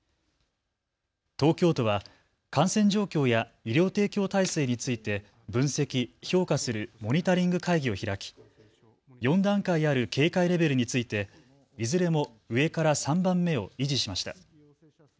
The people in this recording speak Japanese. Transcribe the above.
東京都は感染状況や医療提供体制について分析・評価するモニタリング会議を開き４段階ある警戒レベルについていずれも上から３番目を維持しました。